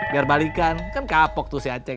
biar balikan kan kapok tuh si aceh